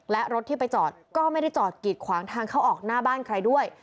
และรถที่ไปจอดก็ไม่ได้จอดกีดขวางทางเข้าออกหน้าบ้านใครด้วย